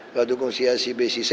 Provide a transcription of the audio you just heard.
gak dukung si a si b si c